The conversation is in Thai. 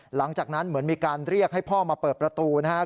หลังจากนั้นเหมือนมีการเรียกให้พ่อมาเปิดประตูนะครับ